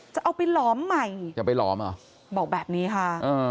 จะเอาไปหลอมใหม่จะไปหลอมเหรอบอกแบบนี้ค่ะ